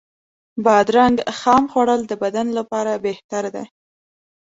بادرنګ خام خوړل د بدن لپاره بهتر دی.